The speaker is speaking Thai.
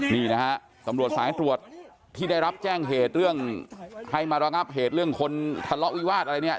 นี่นะฮะตำรวจสายตรวจที่ได้รับแจ้งเหตุเรื่องให้มาระงับเหตุเรื่องคนทะเลาะวิวาสอะไรเนี่ย